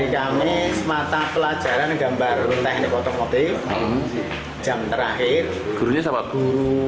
kami semata pelajaran gambar teknik otomotif jam terakhir